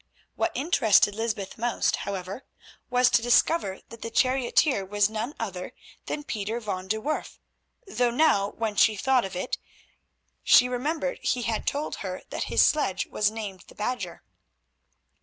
What interested Lysbeth most, however, was to discover that the charioteer was none other than Pieter van de Werff, though now when she thought of it, she remembered he had told her that his sledge was named the Badger.